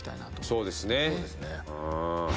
そうですね。